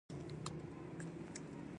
امیر کروړ سوري د امیر پولاد سوري زوی ؤ.